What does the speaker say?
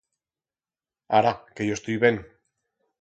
Ara, que yo estoi ben.